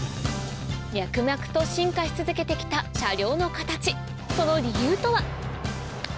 脈々と進化し続けて来た車両の形その理由とは？